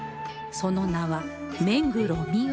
その名は目黒澪